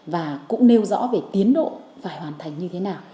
và cũng nêu rõ về tiến độ phải hoàn thành như thế nào